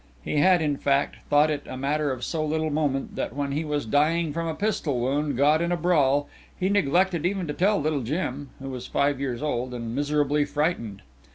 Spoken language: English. He had, in fact, thought it a matter of so little moment that when he was dying from a pistol wound got in a brawl he neglected even to tell little Jim, who was five years old and miserably frightened.